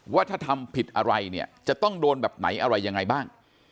ว่าถ้าทำผิดอะไรเนี่ยจะต้องโดนแบบไหนอะไรยังไงบ้าง